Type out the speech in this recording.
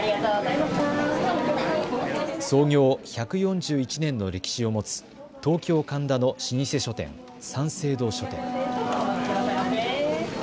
創業１４１年の歴史を持つ東京神田の老舗書店、三省堂書店。